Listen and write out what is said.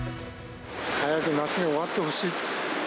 早く夏が終わってほしい。